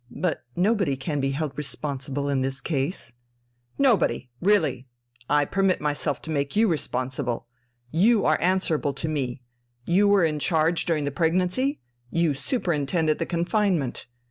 But nobody can be held responsible in this case...." "Nobody ... Really! I permit myself to make you responsible.... You are answerable to me.... You were in charge during the pregnancy, you superintended the confinement.